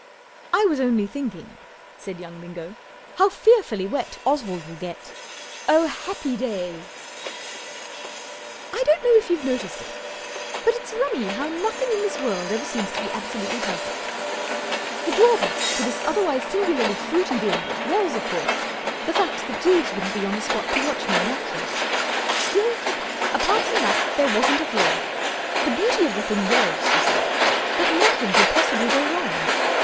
" I was only thinking/ 1 said young Bingo, "how fearfully wet Oswald will get. Oh, happy day !" 1 DON'T know if you've noticed it, but it's rummy how nothing in this world ever seems to be absolutely perfect* The drawback to this otherwise singularly fruity binge was, of course, the fact that Jeeves wouldn't be on the spot to watch me in action Still, apart from that there wasn't a flaw. The beauty of the thing was, you see, that nothing could possihly go wrong.